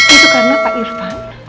itu karena pak irvan